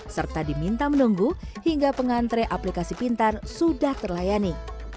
serta diminta menunggu hingga pengantre aplikasi pintar sudah terlayani